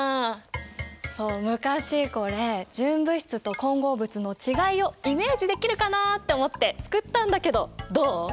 そう昔これ純物質と混合物の違いをイメージできるかなと思って作ったんだけどどう？